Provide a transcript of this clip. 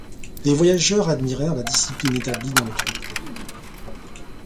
Les voyageurs admirèrent la discipline établie dans le troupeau.